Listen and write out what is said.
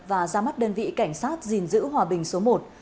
và ra mắt đơn vị cảnh sát gìn giữ hòa bình số một